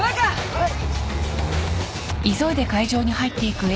はい。